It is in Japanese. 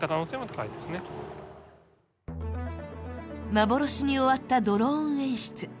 幻に終わったドローン演出。